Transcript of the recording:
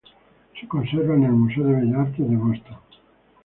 Se conserva en el Museo de Bellas Artes de Boston.